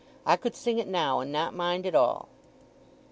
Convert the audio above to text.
I could sing it now, and not mind at all?"